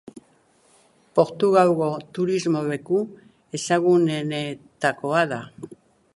Portugalgo turismo leku ezagunenetakoa da.